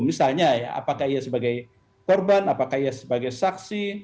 misalnya ya apakah ia sebagai korban apakah ia sebagai saksi